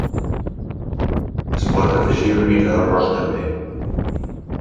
Es pot afegir una mica d'arròs també.